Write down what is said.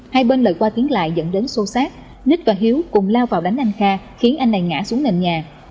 hai bên lời qua tiếng lại dẫn đến sâu sát ních và hiếu cùng lao vào đánh anh kha khiến anh này ngã xuống nền nhà